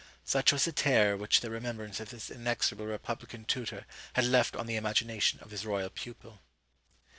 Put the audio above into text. Such was the terror which the remembrance of this inexorable republican tutor had left on the imagination of his royal pupil.